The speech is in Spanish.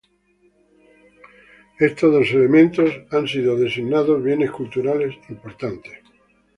Estos dos elementos han sido designados Bienes Culturales Importantes.